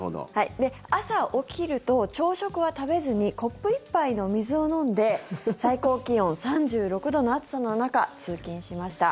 朝起きると朝食は食べずにコップ１杯の水を飲んで最高気温３６度の暑さの中通勤しました。